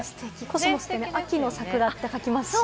コスモスって秋の桜って書きますし。